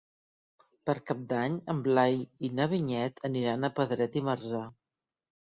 Per Cap d'Any en Blai i na Vinyet aniran a Pedret i Marzà.